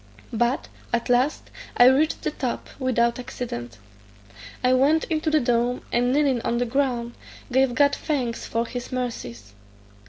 But, at last, I reached the top, without accident. I went into the dome, and kneeling on the ground, gave God thanks for his mercies.